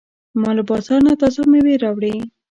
ما له بازار نه تازه مېوې راوړې.